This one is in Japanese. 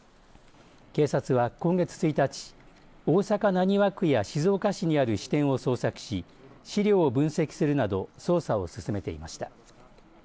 警察は今月１日大阪浪速区や静岡市にある支店を捜索し資料を分析するなど捜査を進めていました。